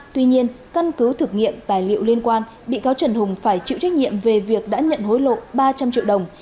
tuy nhiên căn cứ thực nghiệm tài liệu liên quan bị cáo trần hùng phải chịu trách nhiệm về việc đã nhận hối lộ ba trăm linh triệu đồng